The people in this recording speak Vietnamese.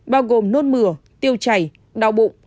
bao gồm nôn mửa tiêu chảy đau bụng